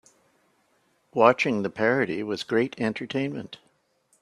Watching the parody was great entertainment.